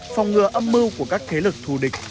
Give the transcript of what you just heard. phòng ngừa âm mưu của các thế lực thù địch